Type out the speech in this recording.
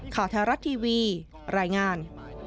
ขาธรัตน์ทีวีรายงาน